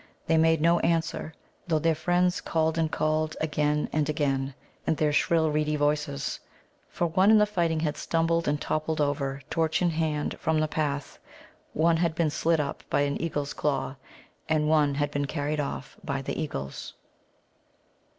They made no answer, though their friends called and called, again and again, in their shrill reedy voices. For one in fighting had stumbled and toppled over, torch in hand, from the path, one had been slit up by an eagle's claw, and one had been carried off by the eagles.